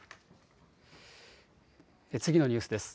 次のニュースです。